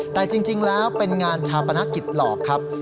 แต่จริงแล้วเป็นงานชาปนกิจหลอกครับ